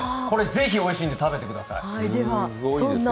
これ、是非おいしいんで食べてください。